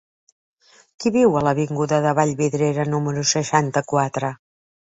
Qui viu a l'avinguda de Vallvidrera número seixanta-quatre?